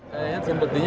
saya lihat sepertinya